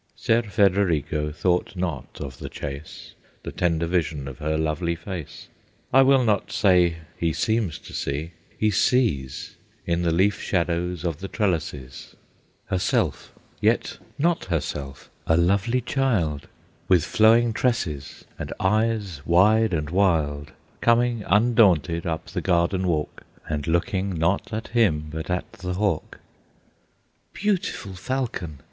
Ser Federigo thought not of the chase; The tender vision of her lovely face, I will not say he seems to see, he sees In the leaf shadows of the trellises, Herself, yet not herself; a lovely child With flowing tresses, and eyes wide and wild, Coming undaunted up the garden walk, And looking not at him, but at the hawk. "Beautiful falcon!"